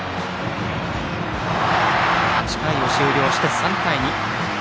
８回を終了して３対２。